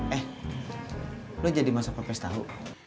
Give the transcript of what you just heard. eh lo jadi masak pepes tahu